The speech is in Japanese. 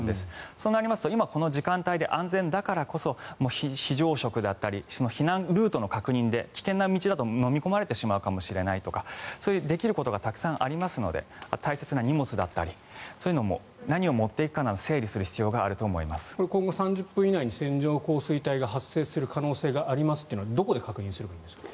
そうなりますと今、この時間帯で安全だからこそ非常食だったり避難ルートの確認だったり危険な道だとのみ込まれてしまうかもしれないとかそういうできることがたくさんありますので大切な荷物だったりそういうのも何を持っていくかなどこれ、今後３０分以内に線状降水帯が発生する可能性がありますというのはどこで確認すればいいんですか。